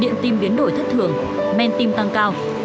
điện tim biến đổi thất thường men tim tăng cao